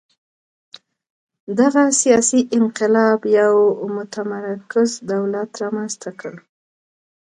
دغه سیاسي انقلاب یو متمرکز دولت رامنځته کړ.